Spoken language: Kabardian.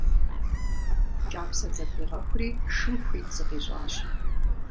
Кӏапсэр зэпигъэхури шым хуит зыкъищӏащ.